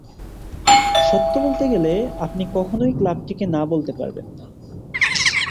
সত্য বলতে গেলে আপনি কখনই ক্লাবটিকে না বলতে পারবেন না।